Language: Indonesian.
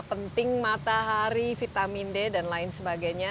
penting matahari vitamin d dan lain sebagainya